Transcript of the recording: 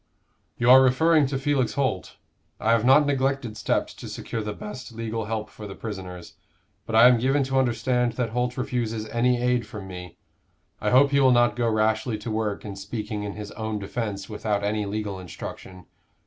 "You are referring to Felix Holt. I have not neglected steps to secure the best legal help for the prisoners: but I am given to understand that Holt refuses any aid from me. I hope he will not go rashly to work in speaking in his own defence without any legal instruction.